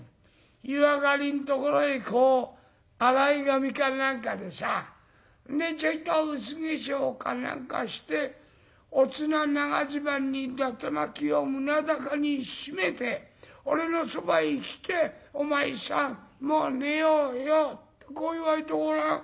湯上がりんところへこう洗い髪か何かでさでちょいと薄化粧か何かしておつな長襦袢にだて巻きを胸高に締めて俺のそばへ来て『お前さんもう寝ようよ』とこう言われてごらん。